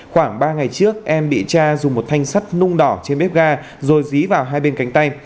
khoảng ba ngày trước em bị cha dùng một thanh sắt nung đỏ trên bếp ga rồi dí vào hai bên cánh tay